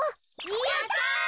やった。